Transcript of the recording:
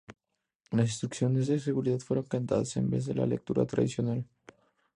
Las instrucciones de seguridad fueron cantadas, en vez de la lectura tradicional.